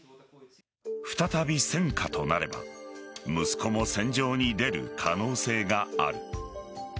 再び戦火となれば息子も戦場に出る可能性がある。